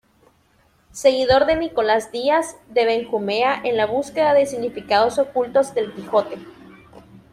Seguidor de Nicolás Díaz de Benjumea en la búsqueda de significados ocultos del Quijote.